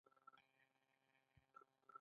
ډاکوانو او وسله والو غلو د حکومت پروا نه لرله.